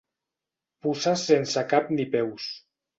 Puces sense cap ni peus.